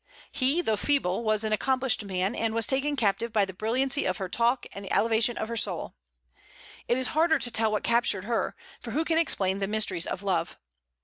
He, though feeble, was an accomplished man, and was taken captive by the brilliancy of her talk and the elevation of her soul. It is harder to tell what captured her, for who can explain the mysteries of love?